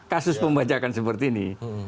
kasus pembajakan seperti ini